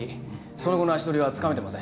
その後の足取りは掴めてません。